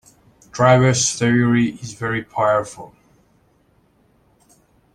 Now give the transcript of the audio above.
Trivers' theory is very powerful.